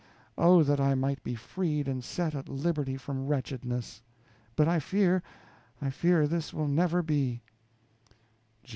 Oh, that I might be freed and set at liberty from wretchedness! But I fear, I fear this will never be.